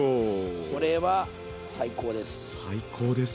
これは最高です。